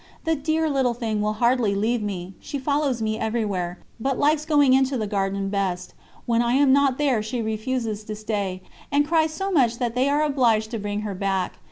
The dear little thing will hardly leave me, she follows me everywhere, but likes going into the garden best; when I am not there she refuses to stay, and cries so much that they are obliged to bring her back.